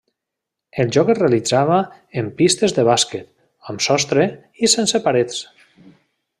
El joc es realitzava en pistes de bàsquet, amb sostre i sense parets.